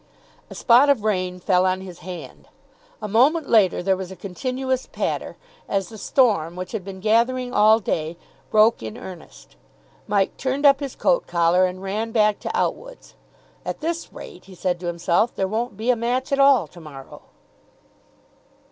A spot of rain fell on his hand. A moment later there was a continuous patter, as the storm, which had been gathering all day, broke in earnest. Mike turned up his coat collar, and ran back to Outwood's. "At this rate," he said to himself, "there won't be a match at all to morrow."